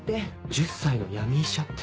「１０歳の闇医者」って。